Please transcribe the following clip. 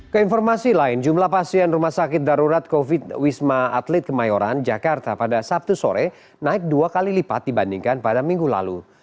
keinformasi lain jumlah pasien rumah sakit darurat covid sembilan belas wisma atlet kemayoran jakarta pada sabtu sore naik dua kali lipat dibandingkan pada minggu lalu